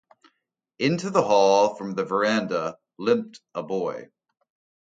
Into the hall from the verandah limped a boy.